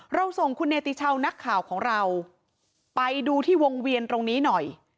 เราส่งคุณเนติชาวนักข่าวของเราไปดูที่วงเวียนตรงนี้หน่อย